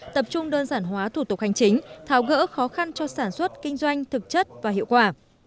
tập trung đơn giản hóa thủ tục hành chính tháo gỡ khó khăn cho sản xuất kinh doanh thực chất và hiệu quả